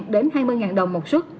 một mươi năm đến hai mươi đồng một xuất